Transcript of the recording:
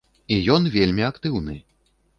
І ён вельмі актыўны.